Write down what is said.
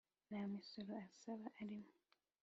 Nta Misoro Usaba Arimo